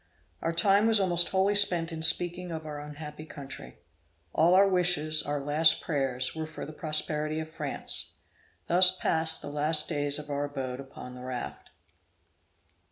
Our time was almost wholly spent in speaking of our unhappy country. All our wishes, our last prayers, were for the prosperity of France. Thus passed the last days of our abode upon the raft.